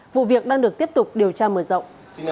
vụ việc đang được tiếp tục điều tra mở rộng